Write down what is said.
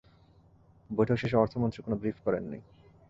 বৈঠক শেষে অর্থমন্ত্রী কোনো ব্রিফ করেননি।